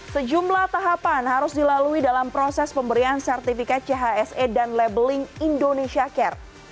sejumlah tahapan harus dilalui dalam proses pemberian sertifikat chse dan labeling indonesia care